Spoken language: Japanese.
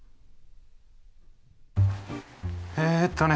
えっとね